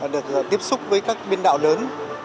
được tiếp xúc với các biên đạo lớn